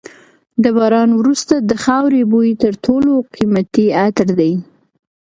د باران وروسته د خاورې بوی تر ټولو قیمتي عطر دی.